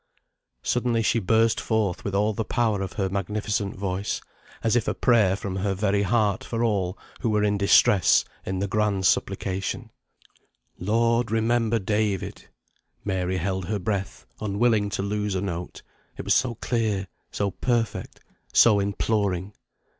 Suddenly she burst forth with all the power of her magnificent voice, as if a prayer from her very heart for all who were in distress, in the grand supplication, "Lord, remember David." Mary held her breath, unwilling to lose a note, it was so clear, so perfect, so imploring.